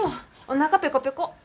おなかペコペコ！